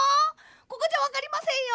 ここじゃわかりませんよ。